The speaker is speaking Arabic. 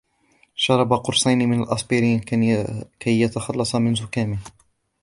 شرب قرصين من الأسبرين كي يتخلص من زكامه.